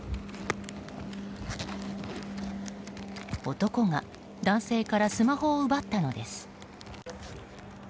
男が男性からスマホを奪ったのです。